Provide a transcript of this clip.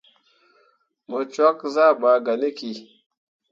Mo cwakke zah ɓaa gah ne ki.